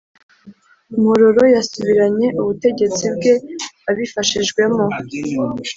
mpororo yasubiranye ubutegetsi bwe abifashijwemo